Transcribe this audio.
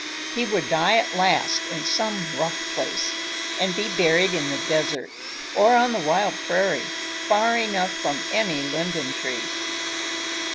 He would die at last in some rough place, and be buried in the desert or on the wild prairie, far enough from any linden tree!